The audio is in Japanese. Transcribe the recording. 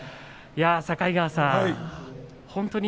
境川さん